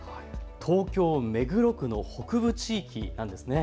東京目黒区の北部地域なんですね。